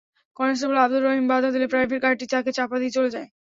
Constable Abdur Rahim বাধা দিলে private কারটি তাঁকে চাপা দিয়ে চলে যায়।